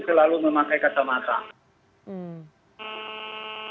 selalu memakai kata kata